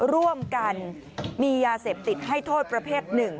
ร่วมกันมียาเสพติดให้โทษประเภท๑